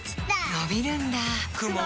のびるんだ